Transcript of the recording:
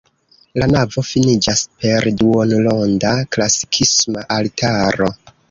La navo finiĝas per duonronda klasikisma altaro.